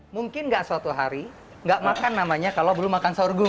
mungkin nggak suatu hari nggak makan namanya kalau belum makan sorghum